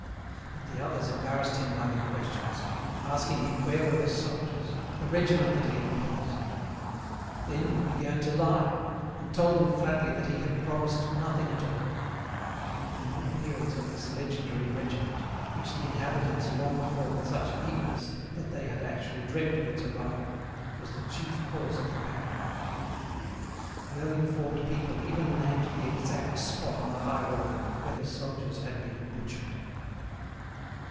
But the others embarrassed him by their questions, asking him where were the soldiers, the regiment that he had promised. Then he began to lie, and told them flatly that he had promised nothing at all. The non appearance of this legendary regiment, which the inhabitants longed for with such eagerness that they had actually dreamt of its arrival, was the chief cause of the panic. Well informed people even named the exact spot on the high road where the soldiers had been butchered.